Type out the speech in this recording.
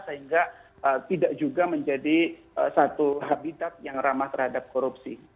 sehingga tidak juga menjadi satu habitat yang ramah terhadap korupsi